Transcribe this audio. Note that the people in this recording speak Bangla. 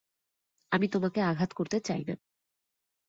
আমি তোমাকে আঘাত করতে চাই না।